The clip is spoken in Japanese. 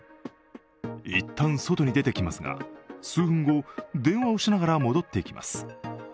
一旦、外に出ていきますが数分後、電話をしながら戻ってきます。